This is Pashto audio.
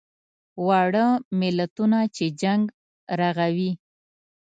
واړه ملتونه چې جنګ رغوي.